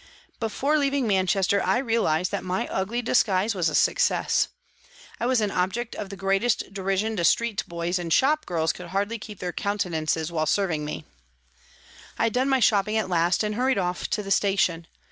Before leaving Manchester I realised that my ugly disguise was a success. I was an object of the greatest derision to street boys, and shop girls could hardly keep their countenances while serving me. I had done my shopping at last, and hurried off to the station.